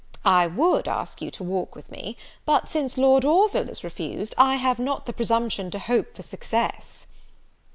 I would ask you to walk with me; but since Lord Orville is refused, I have not the presumption to hope for success."